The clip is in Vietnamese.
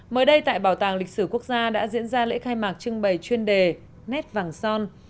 mới đây tại bảo tàng lịch sử quốc gia đã diễn ra lễ khai mạc trưng bày chuyên đề nét vàng son